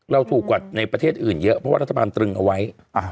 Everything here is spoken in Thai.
เราถูกกว่าในประเทศอื่นเยอะเพราะว่ารัฐบาลตรึงเอาไว้